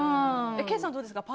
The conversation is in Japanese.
ケイさん、どうですか？